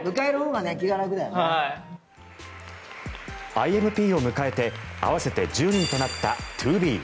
ＩＭＰ．を迎えて合わせて１０人となったＴＯＢＥ。